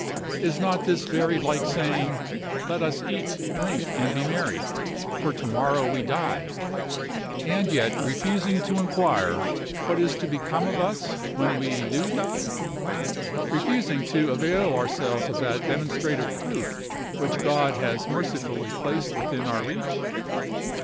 Is not this very like saying, "Let us eat, drink, and be merry, for to morrow we die!" and yet refusing to inquire what is to become of us when we do die? refusing to avail ourselves of that demonstrative proof which God has mercifully placed within our reach?